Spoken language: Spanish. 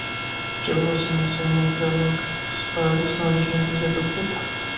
Chew-Bose nació en Montreal, aunque sus padres son originarios de Calcuta.